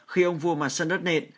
khi ông vua mà sân đất nện